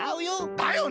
だよね。